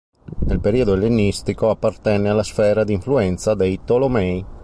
Nel periodo ellenistico appartenne alla sfera di influenza dei Tolomei.